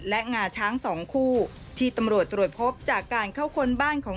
และงาช้างสองคู่ที่ตำรวจตรวจพบจากการเข้าคนบ้านของ